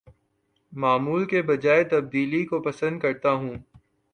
معمول کے بجاے تبدیلی کو پسند کرتا ہوں